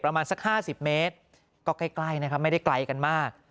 ประมาณสัก๕๐เมตรก็ใกล้นะครับไม่ได้ไกลกันมาก